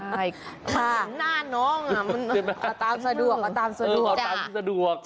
เหมือนหน้าน้องเอาตามสะดวกเอาตามสะดวก